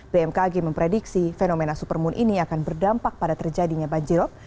bmkg memprediksi fenomena supermoon ini akan berdampak pada terjadinya banjirop